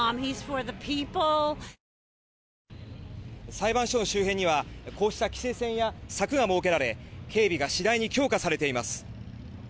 裁判所の周辺にはこうした規制線や柵が設けられ警備が次第に強化されています。